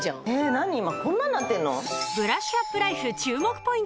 何今こんなんなってんの？